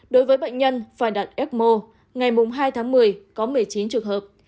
đối với bệnh nhân phải đặt ecmo ngày hai tháng một mươi có một mươi chín trường hợp